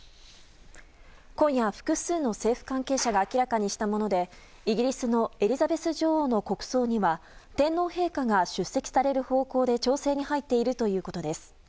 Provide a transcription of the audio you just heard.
今夜、複数の政府関係者が明らかにしたものでイギリスのエリザベス女王の国葬には天皇陛下が出席される方向で調整に入っているということです。